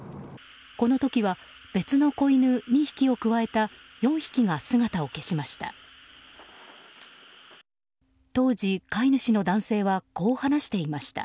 この時は別の子犬２匹を加えた４匹が姿を消しました。